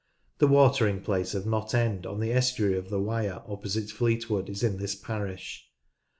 The watering place of Knott End, on the estuary of the Wyre opposite Fleetwood, is in this parish.